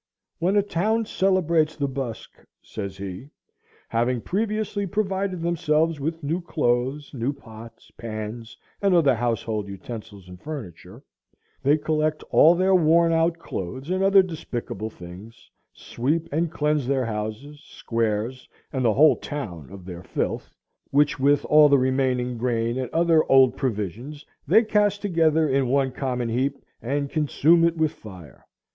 "When a town celebrates the busk," says he, "having previously provided themselves with new clothes, new pots, pans, and other household utensils and furniture, they collect all their worn out clothes and other despicable things, sweep and cleanse their houses, squares, and the whole town of their filth, which with all the remaining grain and other old provisions they cast together into one common heap, and consume it with fire.